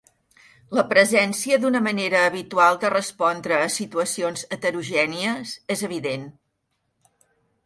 La presència d'una manera habitual de respondre a situacions heterogènies és evident.